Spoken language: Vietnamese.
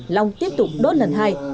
long tiếp tục đốt lần hai